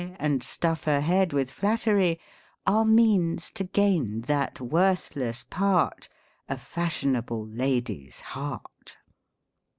And stuff her head with flattery ; Are means to gain that worthless part, A fashionable lady's heart."